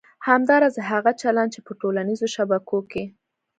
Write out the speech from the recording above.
همداراز هغه چلند چې په ټولنیزو شبکو کې